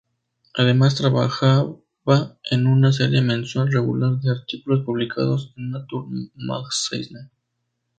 Además trabajaba en una serie mensual regular de artículos publicados en Nature Magazine.